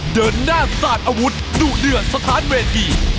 เดินหน้าศาสตร์อาวุธดูเนื้อสถานเวที